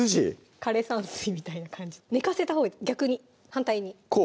枯れ山水みたいな感じで寝かせたほうがいい逆に反対にこう？